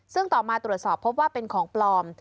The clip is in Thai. ซึ่งต่อมาตรวจสอบพบว่าเป็นของปลอม